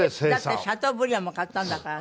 だってシャトーブリアンも買ったんだからね。